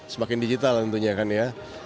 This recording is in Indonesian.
semakin digital tentunya kan ya